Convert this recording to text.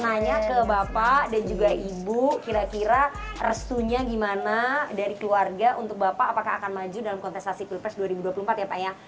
nanya ke bapak dan juga ibu kira kira restunya gimana dari keluarga untuk bapak apakah akan maju dalam kontestasi pilpres dua ribu dua puluh empat ya pak ya